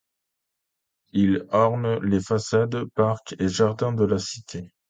Ils ornent les façades, parcs et jardins de la cité.